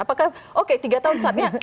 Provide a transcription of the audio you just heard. apakah oke tiga tahun saatnya